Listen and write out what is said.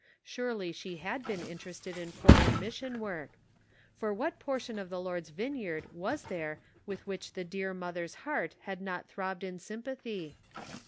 Surely she had been inter ested in foreign mission work. For what por tion of the Lord's vineyard was there with which the dear mother's heart had not throbbed in sympathy